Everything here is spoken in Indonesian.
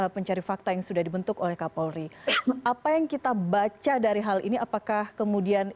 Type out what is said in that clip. pencari fakta yang sudah dibentuk oleh kapolri apa yang kita baca dari hal ini apakah kemudian